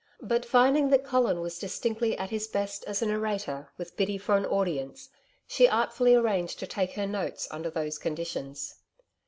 But, finding that Colin was distinctly at his best as a narrator with Biddy for an audience, she artfully arranged to take her notes under those conditions.